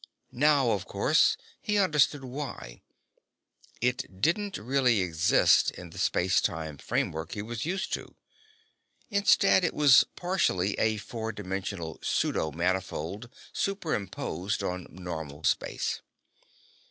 Now, of course, he understood why: it didn't really exist in the space time framework he was used to. Instead, it was partially a four dimensional pseudo manifold superimposed on normal space.